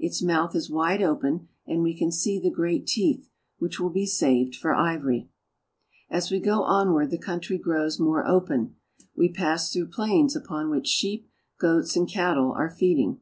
Its mouth is wide open and we can see the great teeth, which will be saved for ivory. As we go onward the coimtry grows more open. We pass through plains upon which sheep, goats, and cattle are feeding.